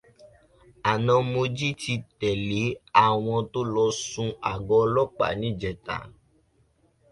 Àna Mojí ti tẹ̀lé àwọn tó lọ sun àgọ́ ọlọ́pàá níjẹta